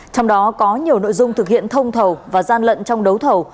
trong đó có nhiều nội dung thực hiện thông thầu và gian lận trong đấu thầu